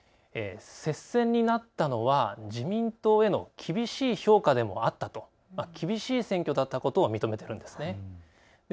接戦になったのは自民党への厳しい評価でもあったと厳しい選挙だったことを認めているんですね。